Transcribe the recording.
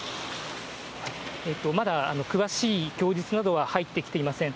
まだ詳しい供述などは入ってきていません。